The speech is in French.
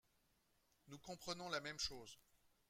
Nous comprenons la même chose